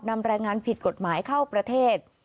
แรงงานผิดกฎหมายเข้าประเทศ